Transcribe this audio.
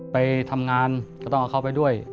ไปทำงานก็ต้องเอาเขาไปด้วย